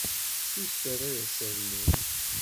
Tessuter ad as-rnun.